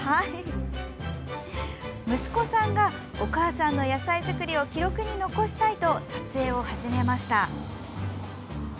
息子さんがお母さんの野菜作りを記録に残したいと撮影を始めました。